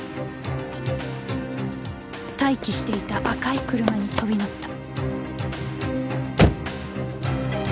待機していた赤い車に飛び乗った。